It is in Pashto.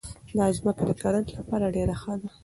دا ځمکه د کرنې لپاره ډېره ښه ده.